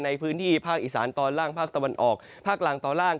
ในพื้นที่ภาคอีสานตอนล่างภาคตะวันออกภาคล่างตอนล่าง